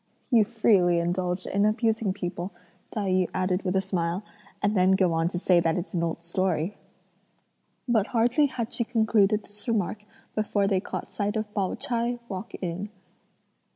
"You freely indulge in abusing people," Tai yü added with a smile, "and then go on to say that it's an old story." But hardly had she concluded this remark before they caught sight of Pao ch'ai walk in.